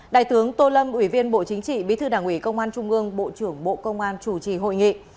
đại tướng tô lâm ủy viên bộ chính trị bí thư đảng ủy công an trung ương bộ trưởng bộ công an chủ trì hội nghị